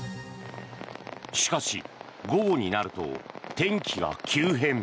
しかし、午後になると天気が急変。